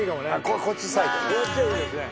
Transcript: こっちサイドね